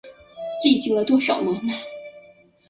这可以被看作是多面体和星形多面体的复合体。